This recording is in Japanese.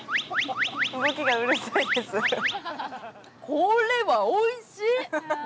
これはおいしい！